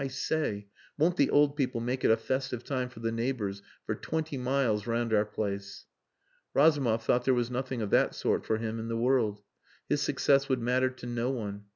I say! Won't the old people make it a festive time for the neighbours for twenty miles around our place." Razumov thought there was nothing of that sort for him in the world. His success would matter to no one.